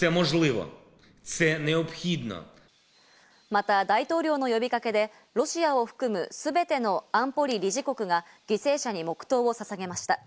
また大統領の呼びかけで、ロシアを含む全ての安保理理事国が犠牲者に黙祷をささげました。